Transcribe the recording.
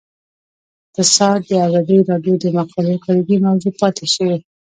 اقتصاد د ازادي راډیو د مقالو کلیدي موضوع پاتې شوی.